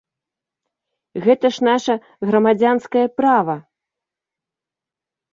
Гэта ж наша грамадзянскае права!